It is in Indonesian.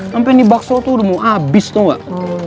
sampai ini box lu tuh udah mau abis tau nggak